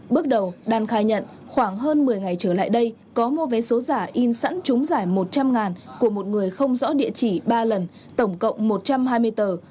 bước đầu đan khai nhận khoảng hơn một mươi ngày trở lại đây có mua vé số giả in sẵn chúng giải một trăm linh của một người không rõ địa chỉ ba lần tổng cộng một trăm hai mươi tờ